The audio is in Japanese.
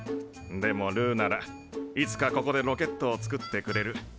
でもルーならいつかここでロケットを作ってくれる。